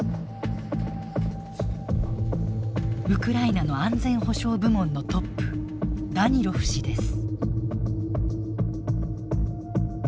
ウクライナの安全保障部門のトップダニロフ氏です。